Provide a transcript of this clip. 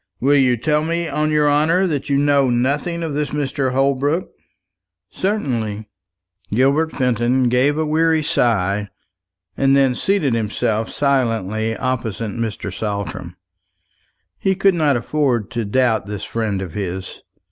"Will you tell me, on your honour, that you know nothing of this Mr. Holbrook?" "Certainly." Gilbert Fenton gave a weary sigh, and then seated himself silently opposite Mr. Saltram. He could not afford to doubt this friend of his.